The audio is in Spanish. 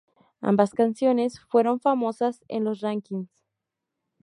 Ambas canciones fueron famosas en los rankings.